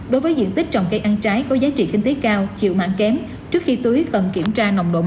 đối với diện tích trồng cây ăn trái có giá trị kinh tế cao chịu mặn kém trước khi tưới phần kiểm tra nồng độ mặn